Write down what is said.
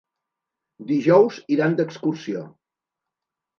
Dijous iran d'excursió.